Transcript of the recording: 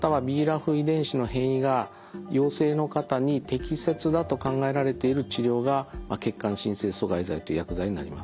遺伝子の変異が陽性の方に適切だと考えられている治療が血管新生阻害剤という薬剤になります。